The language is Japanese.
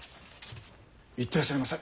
行ってらっしゃいませ！